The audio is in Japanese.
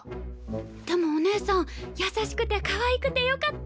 でもお姉さん優しくてかわいくてよかった！